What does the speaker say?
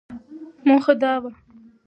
موخه دا وه ،